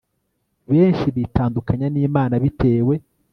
Benshi bitandukanya nImana bitewe